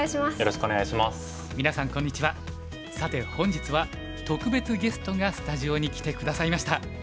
さて本日は特別ゲストがスタジオに来て下さいました。